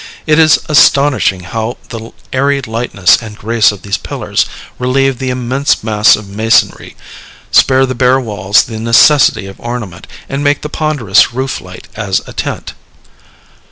It is astonishing how the airy lightness and grace of these pillars relieve the immense mass of masonry, spare the bare walls the necessity of ornament, and make the ponderous roof light as a tent.